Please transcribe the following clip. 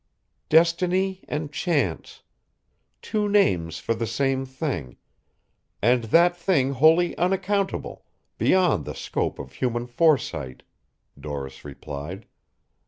"Destiny and chance: two names for the same thing, and that thing wholly unaccountable, beyond the scope of human foresight," Doris replied.